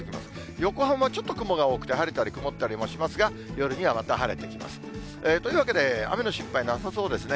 横浜、ちょっと雲が多くて、晴れたり曇ったりもしますが、夜にはまた晴れてきます。というわけで、雨の心配なさそうですね。